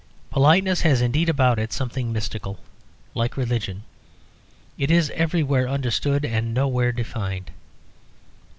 Politeness has indeed about it something mystical; like religion, it is everywhere understood and nowhere defined.